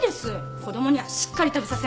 子供にはしっかり食べさせないと。